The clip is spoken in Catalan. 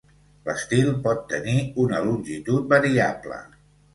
L'estil pot tenir una longitud variable.